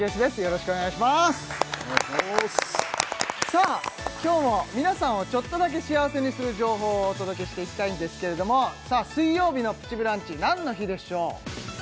さあ今日も皆さんをちょっとだけ幸せにする情報をお届けしていきたいんですけれども水曜日の「プチブランチ」何の日でしょう？